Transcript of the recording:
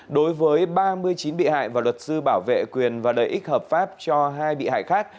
đối với ba mươi chín bị hại và luật sư bảo vệ quyền và lợi ích hợp pháp cho hai bị hại khác